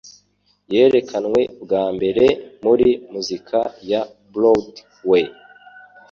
yerekanwe bwa mbere muri muzika ya Broadway